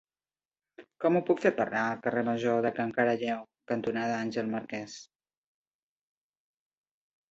Com ho puc fer per anar al carrer Major de Can Caralleu cantonada Àngel Marquès?